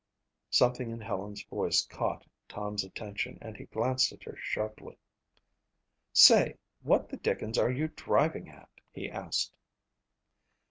Something in Helen's voice caught Tom's attention and he glanced at her sharply. "Say, what the dickens are you driving at?" he asked.